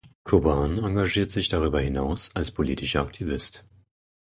Koban engagiert sich darüber hinaus als politischer Aktivist.